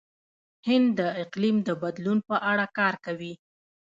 هند د اقلیم د بدلون په اړه کار کوي.